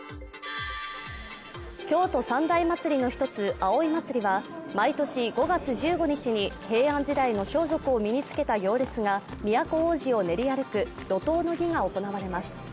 京都三大祭りの一つ葵祭は、毎年５月１５日に平安時代の装束を身につけた行列が都大路を練り歩く路頭の儀が行われます。